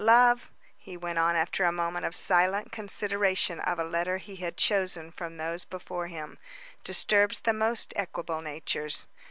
Love " he went on, after a moment of silent consideration of a letter he had chosen from those before him, "disturbs the most equable natures.